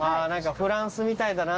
フランス来たみたいだね。